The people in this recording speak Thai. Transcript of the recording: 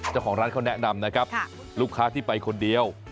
เจ้าของร้านเขาแนะนำนะครับลูกค้าที่ไปคนเดียว